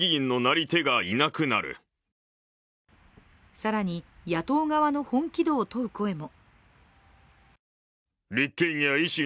更に野党側の本気度を問う声も。